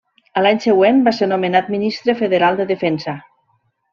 A l'any següent, va ser nomenat Ministre Federal de Defensa.